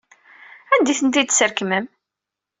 Anda ay ten-id-tesrekmem?